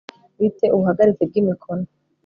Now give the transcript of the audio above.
bi te ubuhagarike bw imikono